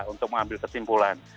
untuk mengambil kesimpulan